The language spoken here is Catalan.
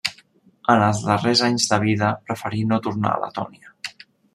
En els darrers anys de vida preferí no tornar a Letònia.